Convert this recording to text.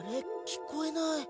聞こえない。